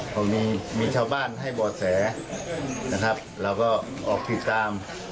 เพราะมีชาวบ้านให้บอสแสนะครับเราก็ออกกิจกรรม